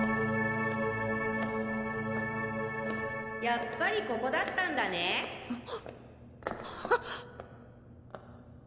やっぱりここだったんだね。ははっ！